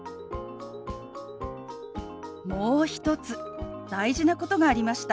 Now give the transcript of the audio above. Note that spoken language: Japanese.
もう一つ大事なことがありました。